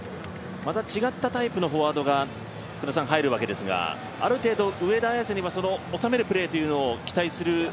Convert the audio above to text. また違ったタイプのフォワードが入るわけですがある程度、上田綺世にはおさめるプレーというのを期待する？